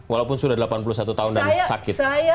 walaupun sudah delapan puluh satu tahun dan sakit